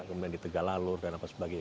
kemudian di tegalalur dan apa sebagainya